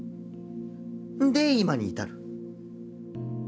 で今に至る。